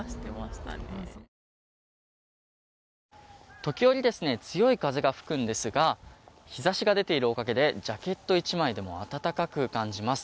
時折強い風が吹くんですが日差しが出ているおかげでジャケット１枚でも暖かく感じます。